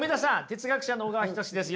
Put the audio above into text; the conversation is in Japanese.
哲学者の小川仁志です。